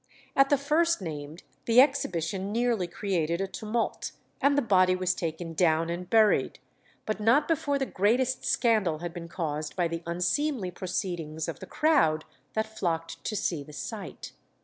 At the first named the exhibition nearly created a tumult, and the body was taken down and buried, but not before the greatest scandal had been caused by the unseemly proceedings of the crowd that flocked to see the sight.